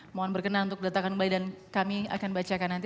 mohon berkenan untuk datakan kembali dan kami akan bacakan nanti